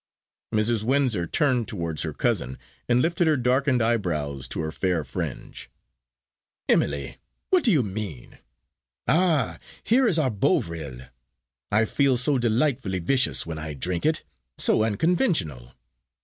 Mrs. Windsor turned towards her cousin, and lifted her darkened eyebrows to her fair fringe. "Emily, what do you mean? Ah! here is our Bovril! I feel so delightfully vicious when I drink it, so unconventional!